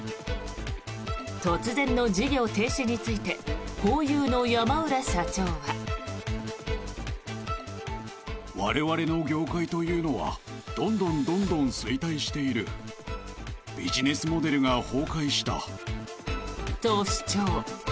突然の事業停止についてホーユーの山浦社長は。と、主張。